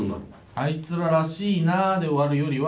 「あいつららしいなあ」で終わるよりは。